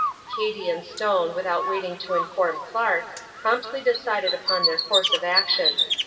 Cady and Stone, without waiting to inform Clark, promptly decided upon their course of action.